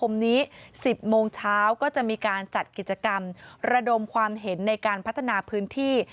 นี้๑๐โมงเช้าก็จะมีการจัดกิจกรรมระดมความเห็นในการพัฒนาพื้นที่